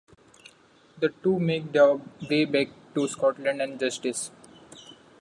The two make their way back to Scotland and justice.